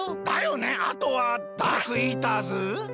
あとはダークイーターズ？